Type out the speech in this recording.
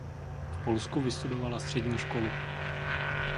V Polsku vystudovala střední školu.